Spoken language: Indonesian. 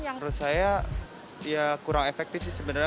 menurut saya ya kurang efektif sih sebenarnya